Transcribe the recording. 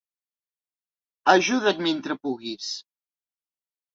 Ajuda't mentre puguis.